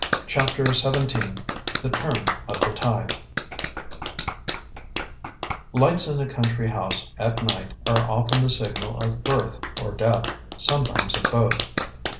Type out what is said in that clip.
CHAPTER XVII THE TURN OF THE TIDE Lights in a country house at night are often the signal of birth or death, sometimes of both.